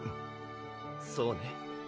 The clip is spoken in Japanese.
そうね